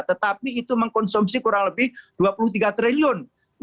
tetapi itu mengkonsumsi kurang lebih rp dua puluh tiga triliun